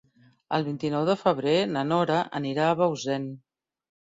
El vint-i-nou de febrer na Nora anirà a Bausen.